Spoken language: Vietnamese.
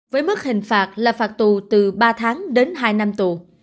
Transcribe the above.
với mức hình phạt là phạt tù từ ba tháng đến hai năm tù